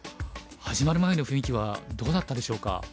始まる前の雰囲気はどうだったでしょうか？